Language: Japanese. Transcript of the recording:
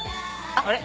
あれ？